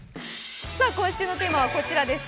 今週のテーマは、こちらです